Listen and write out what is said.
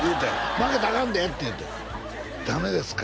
「負けたらアカンで」って言うて「ダメですか？